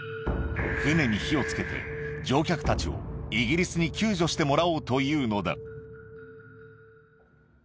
船に火をつけて、乗客たちをイギリスに救助してもらおうというのだ。